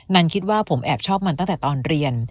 คิดว่าผมแอบชอบมันตั้งแต่ตอนเรียน